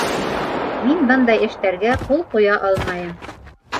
Мин бындай эштәргә ҡул ҡуя алмайым.